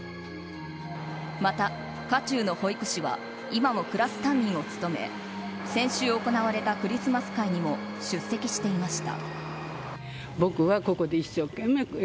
また渦中の保育士は今もクラス担任を務め先週行われたクリスマス会にも出席していました。